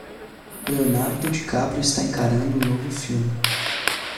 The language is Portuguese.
Leonardo DiCaprio está encarando o novo filme.